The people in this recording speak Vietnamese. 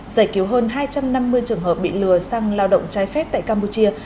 giải cứu hơn hai trăm năm mươi trường hợp bị lừa sang lao động trái phép tại campuchia